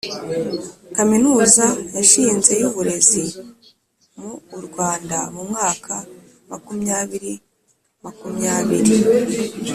kaminuza yashinze y’uburezi mu uRwanda mumwaka makumyabiri makumyabiri